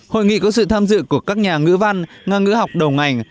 hội nghị có sự tham dự của các nhà ngữ văn nga ngữ học đầu ngành